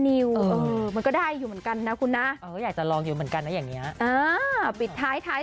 มันก็ได้อยู่เหมือนกันนะคุณนะอยากจะลองอยู่เหมือนกันนะอย่างนี้ปิดท้ายท้าย